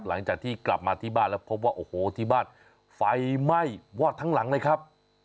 หลังจากที่กลับมาที่บ้านแล้วพบว่าโอ้โหที่บ้านไฟไหม้วอดทั้งหลังเลยครับ